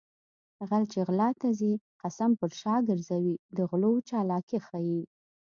غل چې غلا ته ځي قسم پر شا ګرځوي د غلو چالاکي ښيي